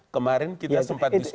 kemarin kita sempat diskusi